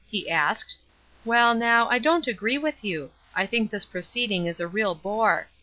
he asked. "Well, now, I don't agree with you. I think this proceeding is a real bore.